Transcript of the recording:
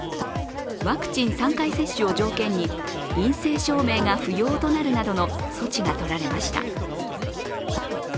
ワクチン３回接種を条件に陰性証明が不要となるなどの措置が取られました。